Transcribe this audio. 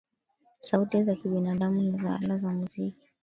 Sauti za kibinadamu na za ala za muziki